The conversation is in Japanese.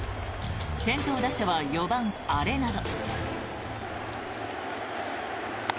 先頭打者は４番、アレナド。